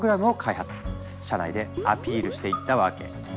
社内でアピールしていったわけ。